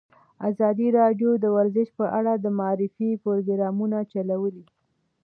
ازادي راډیو د ورزش په اړه د معارفې پروګرامونه چلولي.